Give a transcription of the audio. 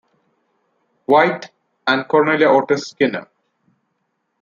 White, and Cornelia Otis Skinner.